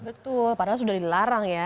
betul padahal sudah dilarang ya